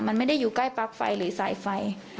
มันไม่ได้อยู่ใกล้ปลั๊กไฟหรือสายไฟ